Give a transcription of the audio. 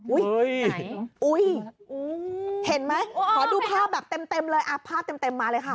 อุ้ยเห็นไหมขอดูภาพแบบเต็มเลยอ่ะภาพเต็มมาเลยค่ะ